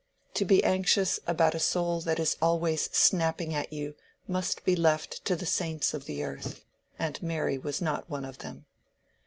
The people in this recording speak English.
To be anxious about a soul that is always snapping at you must be left to the saints of the earth; and Mary was not one of them.